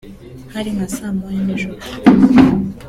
“Hari nka saa moya nijoro